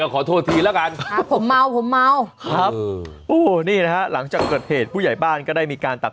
ก็เลยเห็นแล้วก็เลยเควี้ยงโมโหอะไร